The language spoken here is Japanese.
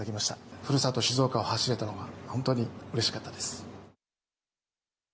ふるさと静岡を走れたのは本当にうれしかったです。